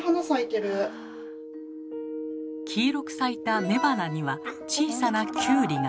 黄色く咲いた雌花には小さなキュウリが。